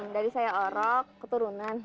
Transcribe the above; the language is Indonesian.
dari saya orok keturunan